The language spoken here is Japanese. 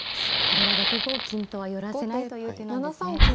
これは６五金とは寄らせないという手なんですね。